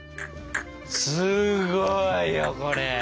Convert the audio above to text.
すごいよこれ。